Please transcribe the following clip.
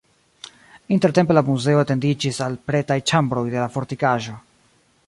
Intertempe la muzeo etendiĝis al pretaj ĉambroj de la fortikaĵo.